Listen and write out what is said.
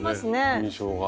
印象が。